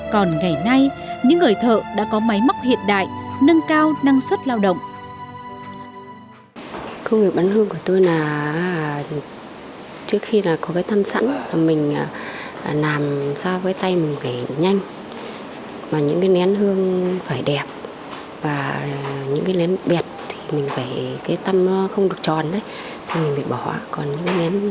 còn ngày nay những người thợ đã có máy móc hiện đại nâng cao năng suất lao động